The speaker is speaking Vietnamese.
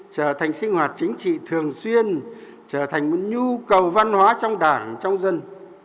trở thành sinh hoạt chính trị thường xuyên trở thành một nhu cầu văn hóa trong đảng trong dân